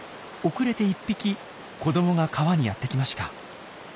後れて１匹子どもが川にやってきました。